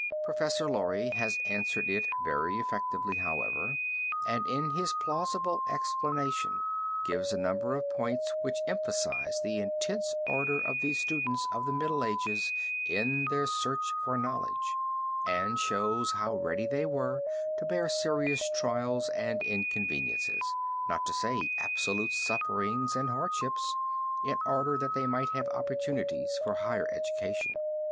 Professor Laurie has answered it very effectively, however, and in his plausible explanation gives a number of points which emphasize the intense ardor of these students of the Middle Ages in their search for knowledge, and shows how ready they were to bear serious trials and inconveniences, not to say absolute sufferings and hardships, in order that they might have opportunities for the higher education.